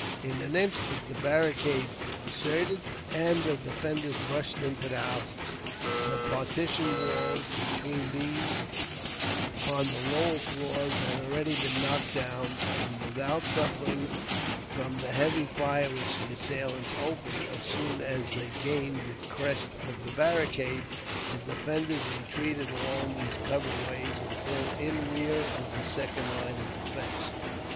In an instant the barricades were deserted, and the defenders rushed into the houses. The partition walls between these on the lower floors had already been knocked down, and without suffering from the heavy fire which the assailants opened, as soon as they gained the crest of the barricade, the defenders retreated along these covered ways until in rear of the second line of defence.